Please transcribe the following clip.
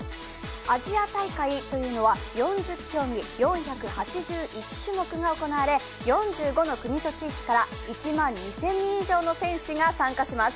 アジア大会というのは４０競技４８１種目が行われ、４５の国と地域から１万２０００人以上の選手が参加します。